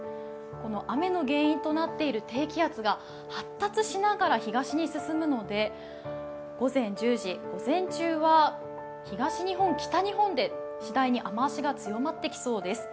この雨の原因となっている低気圧が発達しながら東に進むので、午前１０時、午前中は東日本、北日本で次第に雨足が強まってきそうです。